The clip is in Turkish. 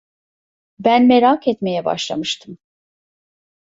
Ben merak etmeye başlamıştım.